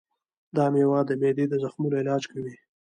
دا مېوه د معدې د زخمونو علاج کوي.